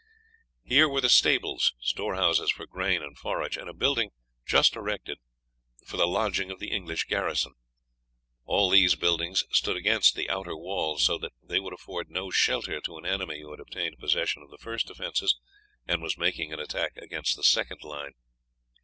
Here were the stables, storehouses for grain and forage, and a building, just erected, for the lodging of the English garrison. All these buildings stood against the outer wall, so that they would afford no shelter to an enemy who had obtained possession of the first defences and was making an attack against the second line.